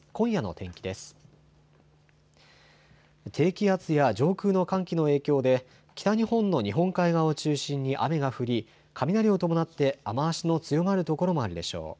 低気圧や上空の寒気の影響で北日本の日本海側を中心に雨が降り、雷を伴って雨足の強まる所もあるでしょう。